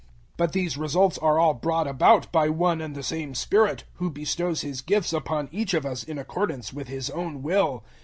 012:011 But these results are all brought about by one and the same Spirit, who bestows His gifts upon each of us in accordance with His own will.